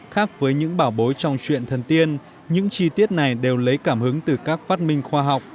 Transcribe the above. khác với những bảo bối trong chuyện thân tiên những chi tiết này đều lấy cảm hứng từ các phát minh khoa học